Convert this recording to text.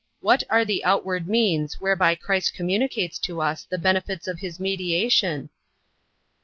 What are the outward means whereby Christ communicates to us the benefits of his mediation?